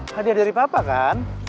hadiah dari papa kan